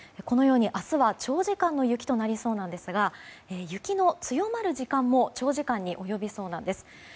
このように明日は長時間の雪となりそうなんですが雪の強まる時間も長時間に及びそうなんです。